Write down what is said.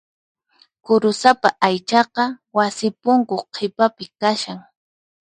Kurusapa aychaqa wasi punku qhipapi kashan.